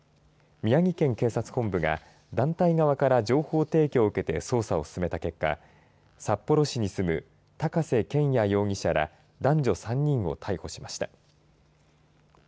宮城県警察本部が団体側から情報提供を受けて捜査を進めた結果札幌市に住む高瀬拳也容疑者ら男女３人を逮捕しました。